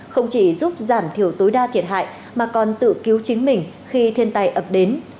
không chỉ giúp giảm thiểu tối đa thiệt hại mà còn tự cứu chính mình khi thiên tài ập đến